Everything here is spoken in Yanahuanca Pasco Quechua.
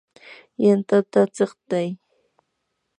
yantata chiqtay.